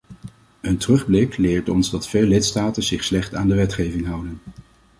Een terugblik leert ons dat veel lidstaten zich slecht aan de wetgeving houden.